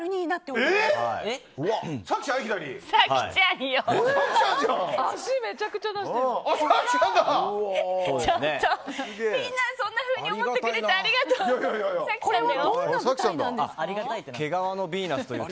みんな、そんなふうに思ってくれててありがとう！